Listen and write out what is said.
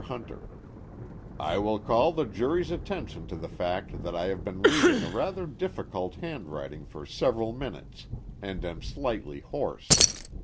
HUNTER: I will call the jury's attention to the fact that I have been reading a rather difficult handwriting for several minutes, and am slightly hoarse.